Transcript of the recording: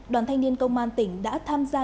đoàn thanh niên công an tỉnh đã tham gia